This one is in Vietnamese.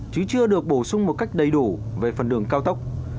chứ chưa được bổ sung một cách đầy đủ về phần đường cao tốc